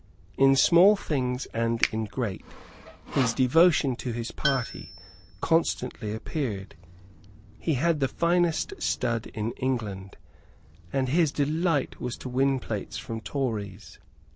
In small things and in great his devotion to his party constantly appeared. He had the finest stud in England; and his delight was to win plates from Tories.